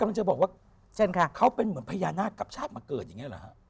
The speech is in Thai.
มันจะบอกว่าเขาเป็นเหมือนพญานาคกับชาติมาเกิดอย่างนี้เหรอฮะ